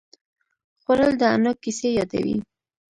خوړل د انا کیسې یادوي